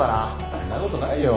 そんなことないよ。